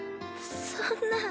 そんな。